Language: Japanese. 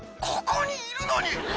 ここにいるのに！」